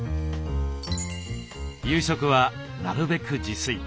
夕食はなるべく自炊。